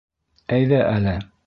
Әйҙә әле.